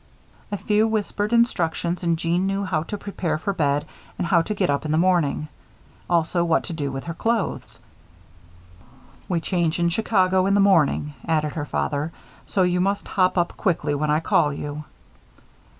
A few whispered instructions and Jeanne knew how to prepare for bed, and how to get up in the morning. Also what to do with her clothes. "We change in Chicago in the morning," added her father; "so you must hop up quickly when I call you."